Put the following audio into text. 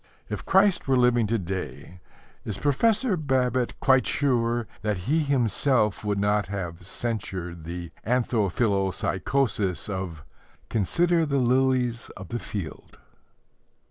If Christ were living to day, is Professor Babbitt quite sure that he himself would not have censured the anthophilpsychosis of "Consider the lilies of the field"?